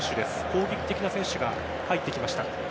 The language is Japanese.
攻撃的な選手が入ってきました。